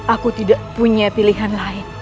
aku tidak punya pilihan lain